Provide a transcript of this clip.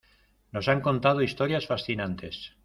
Nos han contado historias fascinantes.